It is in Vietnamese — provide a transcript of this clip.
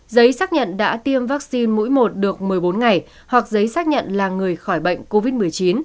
giấy xác nhận đã tiêm vaccine mũi một được một mươi bốn ngày hoặc giấy xác nhận là người khỏi bệnh covid một mươi chín